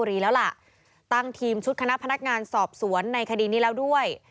ตั้งทีมชุดคณะพนักงานสอบสวนในคดีนี้แล้วด้วย